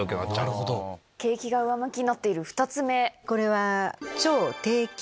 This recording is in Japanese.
景気が上向きになっている２つ目。